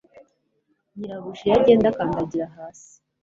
nyirabuja iyo agenda akandagira hasi